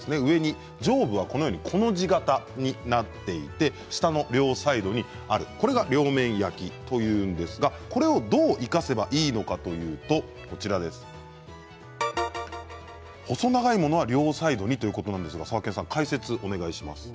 上部は、コの字型になっていて下の両サイドにあるこれが両面焼きというんですがこれをどう生かせばいいのかというと細長いものは両サイドにということなんですが解説をお願いします。